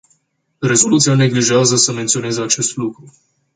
Rezoluția neglijează să menționeze acest lucru.